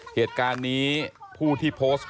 เหตุการณ์นี้ผู้ที่โพสต์